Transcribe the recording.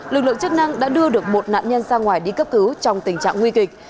lực lượng chức năng đã đưa được một nạn nhân ra ngoài đi cấp cứu trong tình trạng nguy kịch